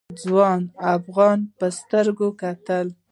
ځوان افغان په سترګه کتل.